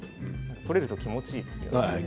取れると気持ちいいですね。